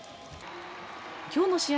今日の試合